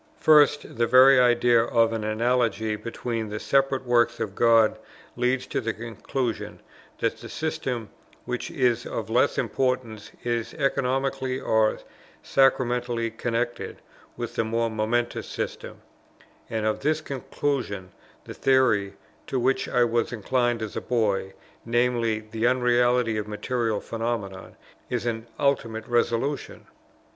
First, the very idea of an analogy between the separate works of God leads to the conclusion that the system which is of less importance is economically or sacramentally connected with the more momentous system, and of this conclusion the theory, to which I was inclined as a boy, viz. the unreality of material phenomena, is an ultimate resolution.